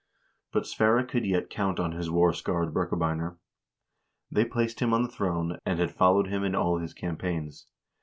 But Sverre could yet count on his war scarred Birkebeiner. They had placed him on the throne, and had followed him in all his campaigns.